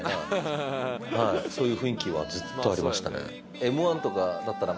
そういう雰囲気はずっとありましたね。